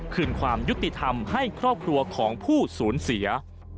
คืนความยุติธรรมให้ครอบครัวของผู้สูญเสีย